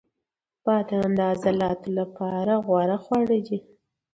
• بادام د عضلاتو لپاره غوره خواړه دي.